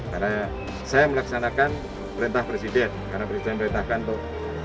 karena saya melaksanakan perintah presiden karena perintah saya melaksanakan untuk